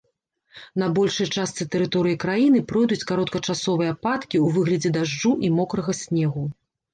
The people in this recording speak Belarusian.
На большай частцы тэрыторыі краіны пройдуць кароткачасовыя ападкі ў выглядзе дажджу і мокрага снегу.